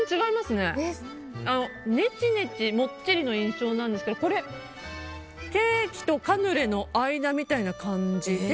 ねちねち、もっちりの印象なんですけどこれはケーキとカヌレの間みたいな感じで。